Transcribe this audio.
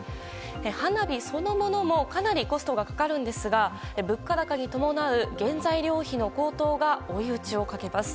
花火そのものもかなりコストがかかるんですが物価高に伴う原材料費の高騰が追い打ちをかけます。